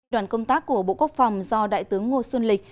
đoàn công tác của bộ quốc phòng do đại tướng ngô xuân lịch